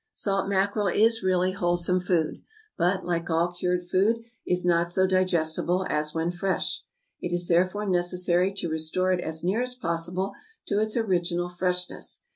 Salt mackerel is really wholesome food, but, like all cured food, is not so digestible as when fresh: it is therefore necessary to restore it as near as possible to its original freshness.